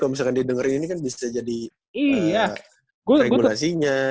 kalau misalkan didengerin ini kan bisa jadi regulasinya